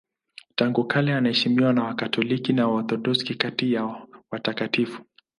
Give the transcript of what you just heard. Tangu kale anaheshimiwa na Wakatoliki na Waorthodoksi kati ya watakatifu.